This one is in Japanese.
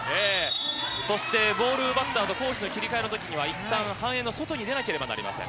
そしてボール奪ったあと、攻守の切り替えのときには、いったん、半円の外に出なければなりません。